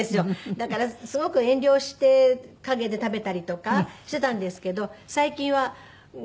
だからすごく遠慮をして陰で食べたりとかしてたんですけど最近は「ごめんね。